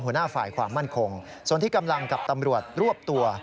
หัวหน้าฝ่ายความมั่นคงส่วนที่กำลังกับตำรวจรวบตัว